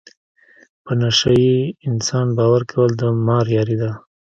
په نشه یې انسان باور کول د مار یاري ده.